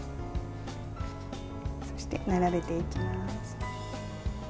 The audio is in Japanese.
そして、並べていきます。